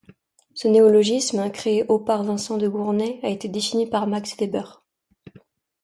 Ce néologisme, créé au par Vincent de Gournay, a été défini par Max Weber.